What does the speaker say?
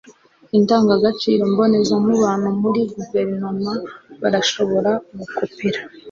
indangagaciro mbonezamubano muri guverinoma barashobora Gukopera